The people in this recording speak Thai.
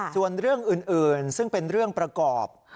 ส่วนเรื่องอื่นซึ่งเป็นเรื่องประกอบ